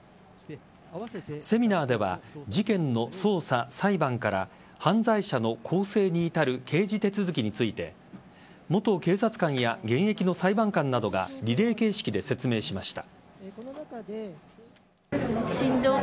セミナーでは事件の捜査・裁判から犯罪者の更生に至る刑事手続きについて元警察官や現役の裁判官などがリレー形式で説明しました。